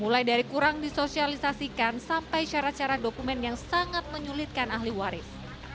mulai dari kurang disosialisasikan sampai syarat syarat dokumen yang sangat menyulitkan ahli waris